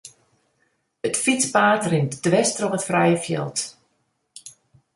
It fytspaad rint dwers troch it frije fjild.